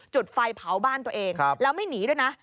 จุดไฟเผาบ้านตัวเองแล้วไม่หนีด้วยนะ